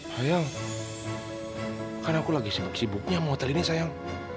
sayang kan aku lagi sibuk sibuknya sama hotel ini sayang